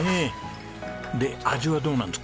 で味はどうなんですか？